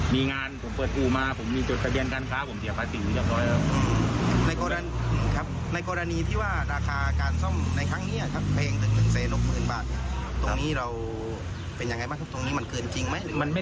มันไม่ได้เกินจริงบ่๊ายรับมันก็ราคาก็ตามนั้นเลยก็มันเป็นอะไรต่างก็เป็นอะไรเดิม